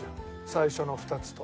最初の２つと。